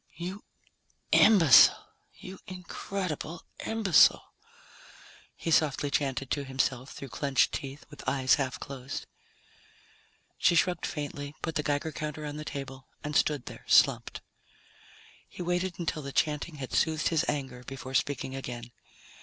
"You imbecile, you incredible imbecile," he softly chanted to himself through clenched teeth, with eyes half closed. She shrugged faintly, put the Geiger counter on the table, and stood there slumped. He waited until the chanting had soothed his anger, before speaking again.